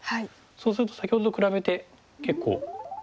そうすると先ほどと比べて結構いい模様が。